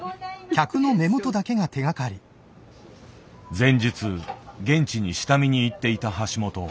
前日現地に下見に行っていた橋本。